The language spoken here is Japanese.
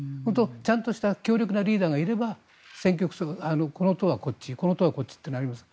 ちゃんとした強力なリーダーがいればこの党はこっちこの党はこっちとなります。